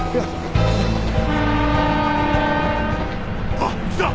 あっ来た！